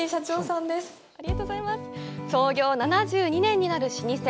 創業７２年になる老舗。